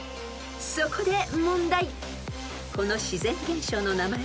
［そこで問題］